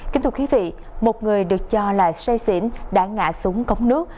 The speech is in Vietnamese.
kính thưa quý vị một người được cho là say xỉn đã ngạ súng cống nước